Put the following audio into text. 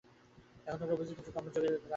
এখন তোমরা বুঝিতেছ, কর্মযোগের অর্থ কি।